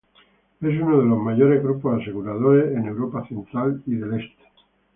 Es uno los mayores grupos aseguradores en Europa Central y del Este.